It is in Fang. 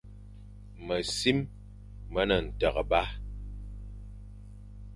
Mesim me ne nteghba.